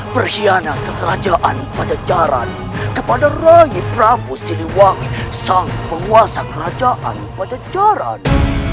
berkhianat ke kerajaan pancacaran kepada raih prabu siliwangi sang penguasa kerajaan pancacaran